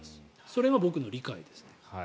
それが僕の理解ですね。